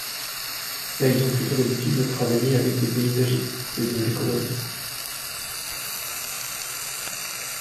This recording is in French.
Mais ils ont plutôt l’habitude de travailler avec des paysagistes que des écologues.